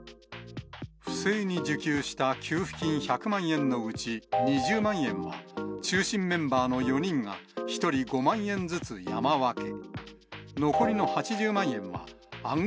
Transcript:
不正に受給した給付金１００万円のうち２０万円は、中心メンバーの４人が１人５万円ずつ山分け。